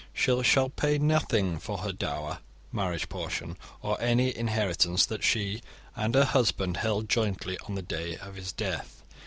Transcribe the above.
She shall pay nothing for her dower, marriage portion, or any inheritance that she and her husband held jointly on the day of his death.